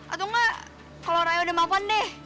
atau enggak kalo raya udah mau pandeh